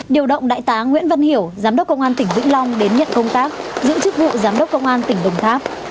điều động đại tá nguyễn văn hiểu giám đốc công an tỉnh vĩnh long đến nhận công tác giữ chức vụ giám đốc công an tỉnh đồng tháp